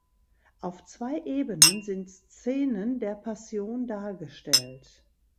Auf zwei Ebenen sind Szenen der Passion dargestellt.